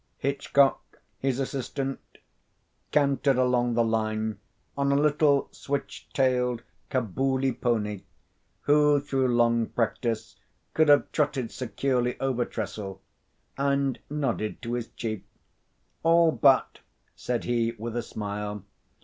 Hitchcock, his assistant, cantered along the line on a little switch tailed Kabuli pony who through long practice could have trotted securely over trestle, and nodded to his chief. "All but," said he, with a smile.